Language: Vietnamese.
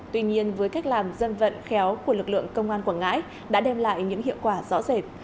tuy nhiên với cách làm dân vận khéo của lực lượng công an quảng ngãi đã đem lại những hiệu quả rõ rệt